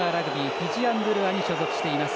フィジアン・ドゥルアに所属しています。